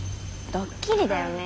ドッキリだよね。